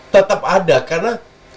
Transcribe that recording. tetap ada karena